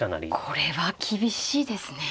これは厳しいですね。